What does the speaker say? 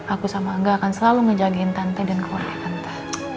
aku sama enggak akan selalu ngejagain tante dan keluarga tante